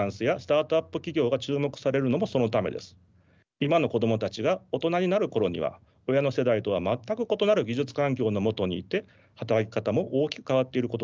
今の子供たちが大人になる頃には親の世代とは全く異なる技術環境の下にいて働き方も大きく変わっていることでしょう。